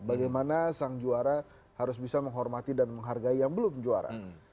bagaimana sang juara harus bisa menghormati dan menghargai yang belum juara